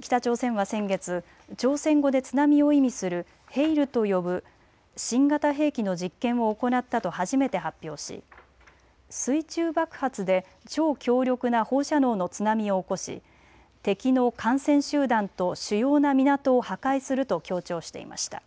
北朝鮮は先月、朝鮮語で津波を意味するヘイルと呼ぶ新型兵器の実験を行ったと初めて発表し水中爆発で超強力な放射能の津波を起こし、敵の艦船集団と主要な港を破壊すると強調していました。